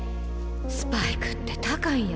スパイクって高いんやねえ